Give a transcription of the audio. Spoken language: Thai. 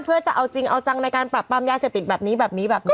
เพื่อจะเอาจริงเอาจังในการปรับปรามยาเสพติดแบบนี้แบบนี้แบบนี้